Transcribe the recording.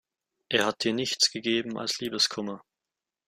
Er hat dir nichts gegeben als Liebeskummer.